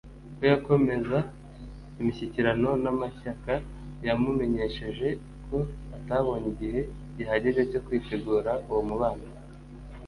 ko yakomeza imishyikirano n’amashyaka yamumenyesheje ko atabonye igihe gihagije cyo kwitegura uwo mubonano